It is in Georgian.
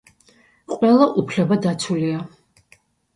ყველა უფლება დაცულია.